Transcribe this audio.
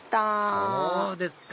そうですか！